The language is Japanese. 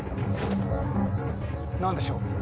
何でしょう？